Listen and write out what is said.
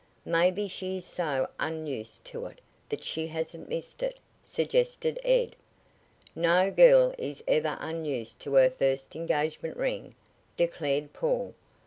"Maybe she is so unused to it that she hasn't missed it," suggested Ed. "No girl is ever unused to her first engagement ring," declared Paul.